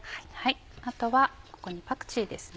あとはここにパクチーですね。